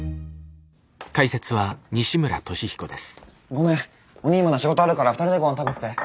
ごめんおにぃまだ仕事あるから２人でごはん食べてて。